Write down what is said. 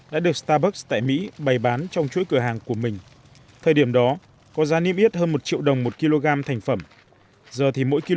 đã được starbucks đặt vào cây cà phê